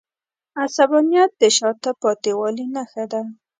عصبانیت د شاته پاتې والي نښه ده.